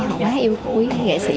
họ quá yêu quý các nghệ sĩ